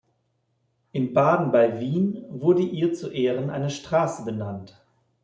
In Baden bei Wien wurde ihr zu Ehren eine Straße benannt.